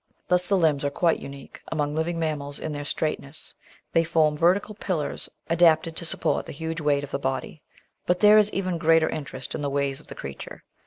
Thus the limbs are quite unique among living mammals in their straightness ; they form vertical pillars adapted to support the huge weight of the body. But there is even greater interest in the ways of the creature.